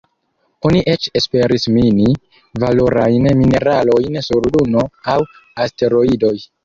Oni eĉ esperis mini valorajn mineralojn sur Luno aŭ asteroidoj.